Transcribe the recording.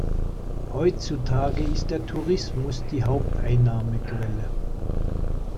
Heutzutage ist der Tourismus die Haupteinnahmequelle.